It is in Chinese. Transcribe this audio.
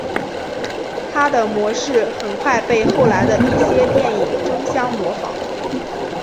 它的模式很快被后来的一些电影争相效仿。